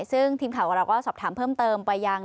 ซึ่งทีมข่าวของเราก็สอบถามเพิ่มเติมไปยัง